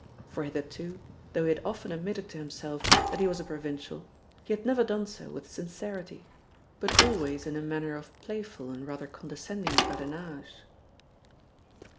For hitherto, though he had often admitted to himself that he was a provincial, he had never done so with sincerity; but always in a manner of playful and rather condescending badinage.